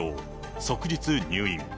即日、入院。